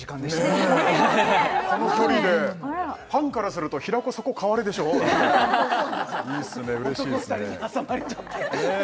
今のこの距離でファンからすると「平子そこ代われ」でしょ？だっていいっすね